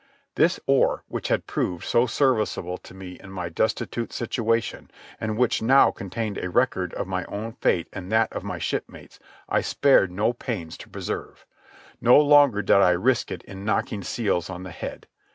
This oar, which had proved so serviceable to me in my destitute situation, and which now contained a record of my own fate and that of my shipmates, I spared no pains to preserve. No longer did I risk it in knocking seals on the head.